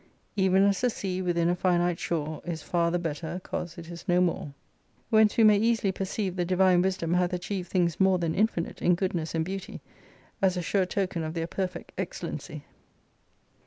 Even as the sea within a finite shore Is far the better 'cause it is no more. Whence we may easily perceive the Divine Wisdom bath achieved things more than infinite in goodness and beauty, as a sure token of their perfect excellency.